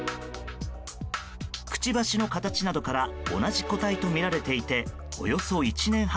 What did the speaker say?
くちばしの形などから同じ個体とみられていておよそ１年半